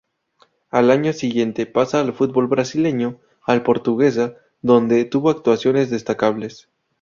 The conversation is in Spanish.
Al año siguiente pasa al fútbol brasileño, al Portuguesa, donde tuvo actuaciones destacables.